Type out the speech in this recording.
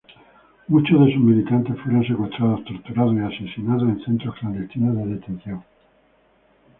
Muchos de sus militantes fueron secuestrados, torturados y asesinados en centros clandestinos de detención.